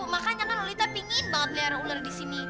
makanya kan olita pingin banget melihara ular di sini